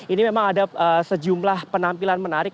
ini memang ada sejumlah penampilan menarik